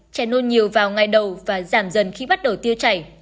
chè nôn nhiều vào ngày đầu và giảm dần khi bắt đầu tiêu chảy